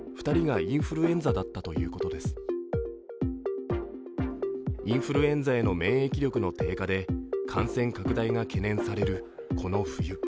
インフルエンザへの免疫力の低下で感染拡大が懸念されるこの冬。